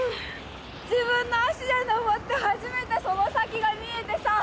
自分の足で登って初めてその先が見えてさ。